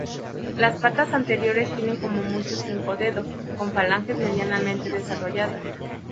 Las patas anteriores tienen como mucho cinco dedos, con falanges medianamente desarrolladas.